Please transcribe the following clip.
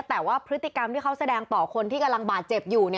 แต่ว่าพฤติกรรมที่เขาแสดงต่อคนที่กำลังบาดเจ็บอยู่